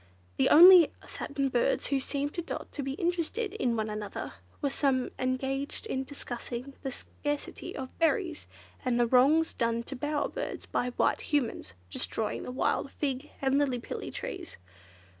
The only satin birds who seemed to Dot to be interested in one another, were some engaged in discussing the scarcity of berries and the wrongs done to bower birds by White Humans destroying the wild fig and lillipilli trees.